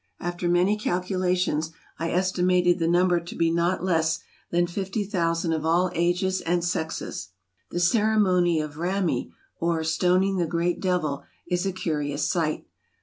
After many calculations, I estimated the number to be not less than 50,000 of all ages and sexes. The ceremony of Ramy, or " stoning the Great Devil," is a curious sight.